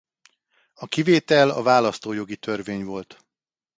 A kivétel a választójogi törvény volt.